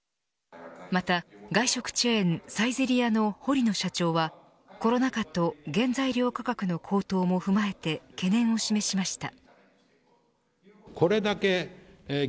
また外食チェーン、サイゼリヤの堀埜社長はコロナ禍と原材料価格の高騰も踏まえて懸念を示しました。